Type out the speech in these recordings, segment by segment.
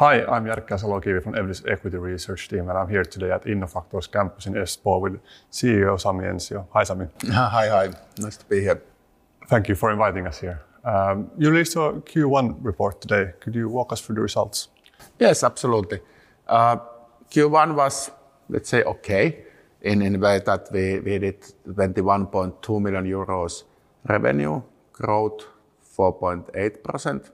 Hi, I'm Jerker Salokivi from Evli Equity Research team, and I'm here today at Innofactor's campus in Espoo with CEO Sami Ensio. Hi Sami. Hi hi, nice to be here. Thank you for inviting us here. You released your Q1 report today. Could you walk us through the results? Yes, absolutely. Q1 was, let's say, okay in the way that we did: 21.2 million euros revenue, growth 4.8%.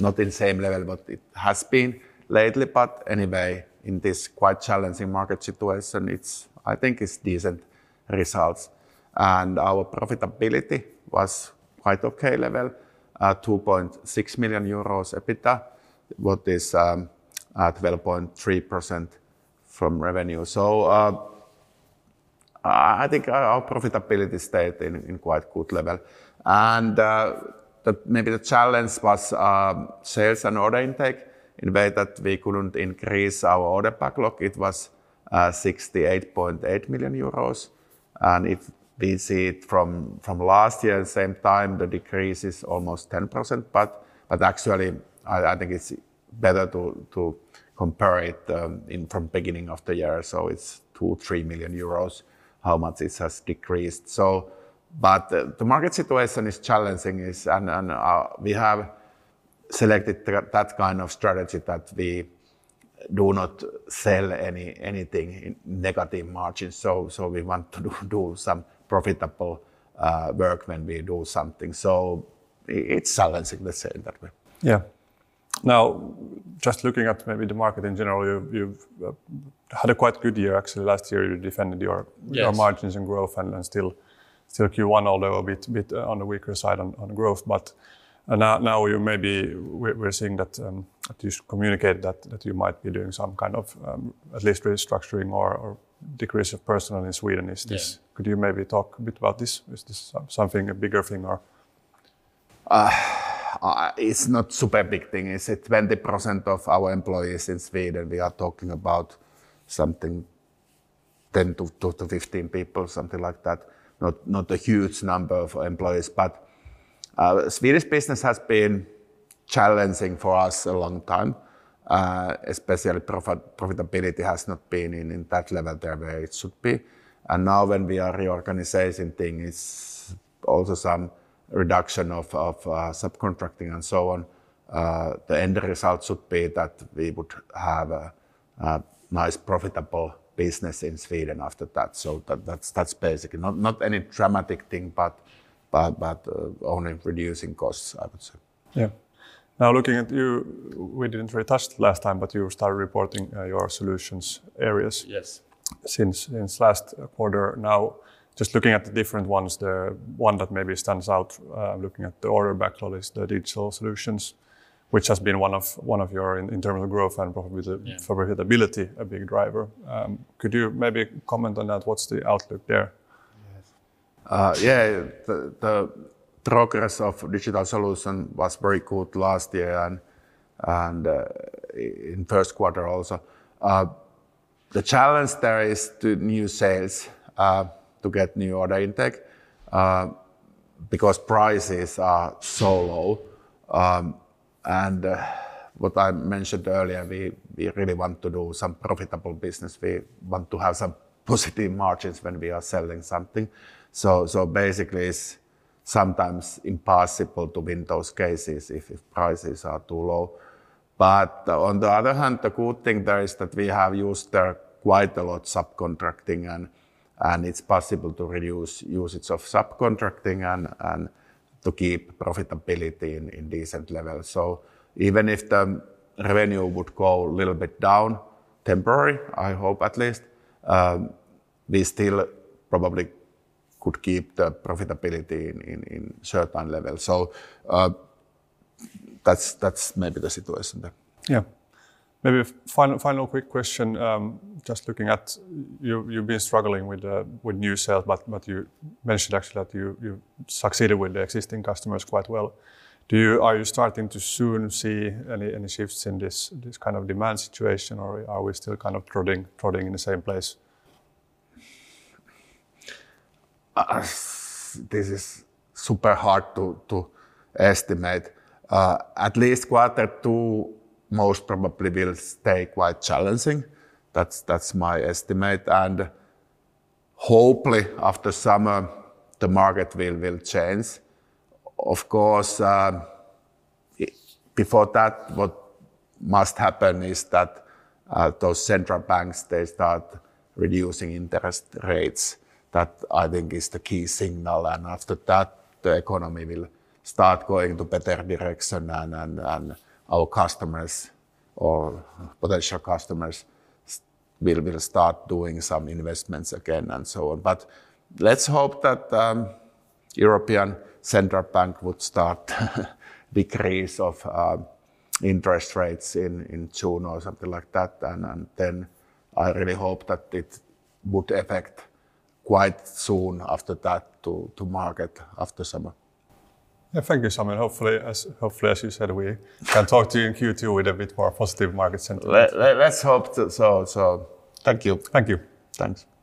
Not in the same level what it has been lately, but anyway, in this quite challenging market situation, I think it's decent results. And our profitability was quite okay level: 2.6 million euros EBITDA, what is 12.3% from revenue. So I think our profitability stayed in quite good level. And maybe the challenge was sales and order intake, in the way that we couldn't increase our order backlog, it was 68.8 million euros. And we see it from last year, at the same time, the decrease is almost 10%, but actually I think it's better to compare it from the beginning of the year. So it's 2 million-3 million euros how much it has decreased. But the market situation is challenging, and we have selected that kind of strategy that we do not sell anything in negative margins. So we want to do some profitable work when we do something. So it's challenging, let's say, in that way. Yeah. Now, just looking at maybe the market in general, you've had a quite good year, actually. Last year you defended your margins and growth, and still Q1, although a bit on the weaker side on growth. But now you maybe—we're seeing that you communicated that you might be doing some kind of at least restructuring or decrease of personnel in Sweden. Could you maybe talk a bit about this? Is this something, a bigger thing? It's not a super big thing. It's 20% of our employees in Sweden. We are talking about something like 10-15 people, something like that. Not a huge number of employees. But Swedish business has been challenging for us a long time. Especially profitability has not been in that level there where it should be. And now when we are reorganizing, the thing is also some reduction of subcontracting and so on. The end result should be that we would have a nice, profitable business in Sweden after that. So that's basically not any dramatic thing, but only reducing costs, I would say. Yeah. Now looking at you—we didn't really touch last time, but you started reporting your solution areas since last quarter. Now just looking at the different ones, the one that maybe stands out—looking at the order backlog is the digital solutions, which has been one of your, in terms of growth and probably the profitability, a big driver. Could you maybe comment on that? What's the outlook there? Yeah, the progress of digital solutions was very good last year and in the first quarter also. The challenge there is new sales to get new order intake because prices are so low. And what I mentioned earlier, we really want to do some profitable business. We want to have some positive margins when we are selling something. So basically, it's sometimes impossible to win those cases if prices are too low. But on the other hand, the good thing there is that we have used there quite a lot of subcontracting, and it's possible to reduce usage of subcontracting and to keep profitability in decent levels. So even if the revenue would go a little bit down temporary, I hope at least, we still probably could keep the profitability in a certain level. So that's maybe the situation there. Yeah. Maybe final quick question: just looking at you've been struggling with new sales, but you mentioned actually that you succeeded with the existing customers quite well. Are you starting to soon see any shifts in this kind of demand situation, or are we still kind of trotting in the same place? This is super hard to estimate. At least quarter two most probably will stay quite challenging. That's my estimate. And hopefully after summer, the market will change. Of course, before that, what must happen is that those central banks, they start reducing interest rates. That I think is the key signal. And after that, the economy will start going in a better direction, and our customers or potential customers will start doing some investments again and so on. But let's hope that the European Central Bank would start a decrease of interest rates in June or something like that. And then I really hope that it would affect quite soon after that the market after summer. Yeah, thank you Sami. Hopefully, as you said, we can talk to you in Q2 with a bit more positive market sentiment. Let's hope so. Thank you. Thank you. Thanks.